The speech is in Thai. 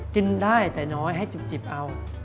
กินได้แต่น้อยให้จิบเอา